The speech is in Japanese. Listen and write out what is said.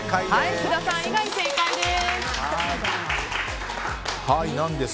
福田さん以外正解です。